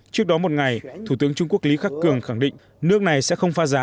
trước đó một ngày thủ tướng trung quốc lý khắc cường khẳng định nước này sẽ không pha giá